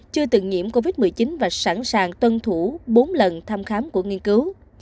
chưa từng nhiễm covid một mươi chín và sẵn sàng tuân thủ bốn lần thăm khám của nghiên cứu